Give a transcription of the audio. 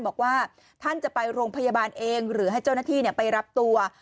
บอกว่าท่านจะไปโรงพยาบาลเองหรือให้เจ้าหน้าที่ไปรับตัว